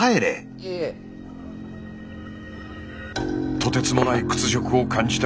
とてつもない屈辱を感じた